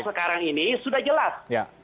sekarang ini sudah jelas